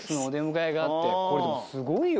これでもすごいよ。